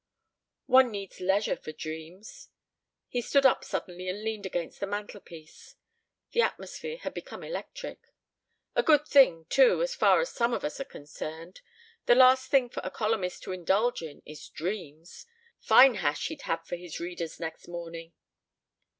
"One needs leisure for dreams." He stood up suddenly and leaned against the mantelpiece. The atmosphere had become electric. "A good thing, too, as far as some of us are concerned. The last thing for a columnist to indulge in is dreams. Fine hash he'd have for his readers next morning!"